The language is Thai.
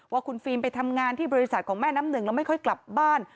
ว่าคุณฟิล์มไปทำงานที่บริษัทของแม่น้ำหนึ่งแล้วไม่ค่อยกลับบ้าน